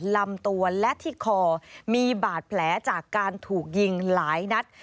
ลำตัวและที่คอมีบาดแผลจากการถูกยิงหลายนัด